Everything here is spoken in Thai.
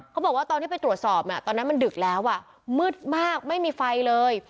เขาบอกว่าตอนที่ไปตรวจสอบตอนนั้นมันดึกแล้วมืดมากไม่มีไฟเลย